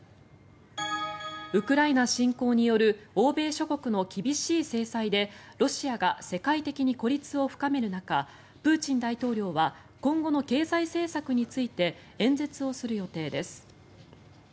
ウクライナ侵攻による欧米諸国の厳しい制裁でロシアが世界的に孤立を深める中プーチン大統領は今後の経済政策について演説をする予定です。